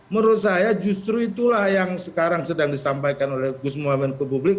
menurut saya justru itulah yang sekarang sedang disampaikan oleh gus mohamad ke publik